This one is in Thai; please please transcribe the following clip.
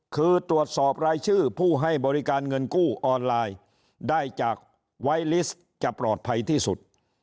คือตรวจสอบรายชื่อผู้ให้บริการเงินกู้ออนไลน์ได้จากไวลิสต์จะปลอดภัยที่สุด